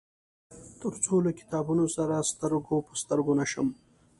تر څو له کتابونه سره سترګو په سترګو نشم.